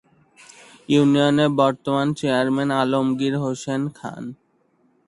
ইউনিয়নের বর্তমান চেয়ারম্যান আলমগীর হোসেন খান